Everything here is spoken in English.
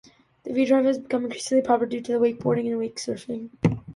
The V-drive has become increasingly popular due to wakeboarding and wakesurfing.